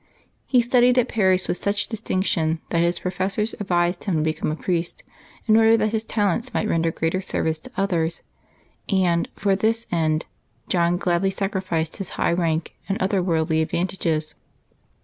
He studied at Paris with such distinction that his professors advised him to become a priest, in order that his talents might render greater service to others; and, for this end, John gladly sacrificed his high rank and other worldly advan tages.